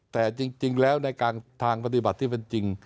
แต่จริงแล้วในการทางปฏิบัติที่เป็นจริง